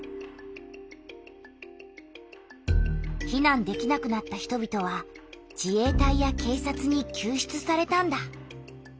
避難できなくなった人びとは自衛隊や警察にきゅう出されたんだ。